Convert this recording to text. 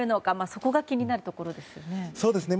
そこが気になるところですよね。